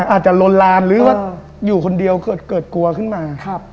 อาจจะลนลานหรือว่าอยู่คนเดียวเกิดกลัวขึ้นมา